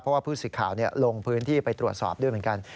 เพราะว่าผู้สิทธิ์ข่าวลงพื้นที่ไปตรวจสอบด้วยเหมือนกัน